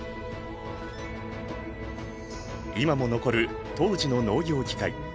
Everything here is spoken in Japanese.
今も残る当時の農業機械。